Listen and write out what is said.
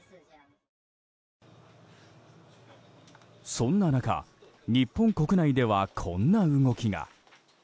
そんな中、日本国内ではこんな動きが。